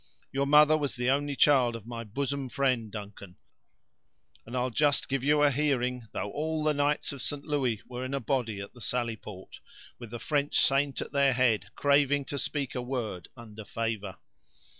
Your mother was the only child of my bosom friend, Duncan; and I'll just give you a hearing, though all the knights of St. Louis were in a body at the sally port, with the French saint at their head, crying to speak a word under favor.